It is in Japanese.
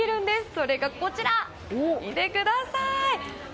それがこちら、見てください！